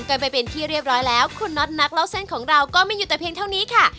กันไปเป็นที่เรียบร้อยแล้วคุณน็อตนักเล่าเส้นของเราก็ไม่หยุดแต่เพียงเท่านี้ค่ะ